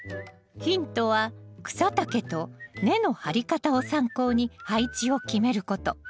ヒントは草丈と根の張り方を参考に配置を決めること。